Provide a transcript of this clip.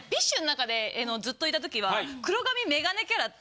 ずっといたときは。